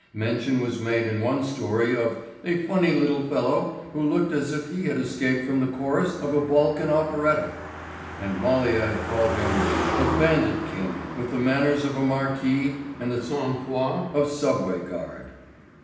Mention was made in one story of "a funny little fellow who looked as if he had escaped from the chorus of a Balkan operatta," and Malia had called him "a bandit king with the manners of a marquis and the sang froid of Subway guard."